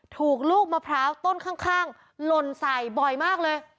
ถูกลูกมะพร้าวต้นข้างหล่นใส่บ่อยมากเลย